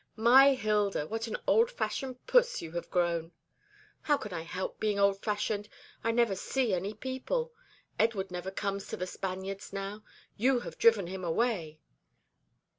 "My Hilda, what an old fashioned puss you have grown!" "How can I help being old fashioned? I never see any young people. Edward never comes to The Spaniards now. You have driven him away."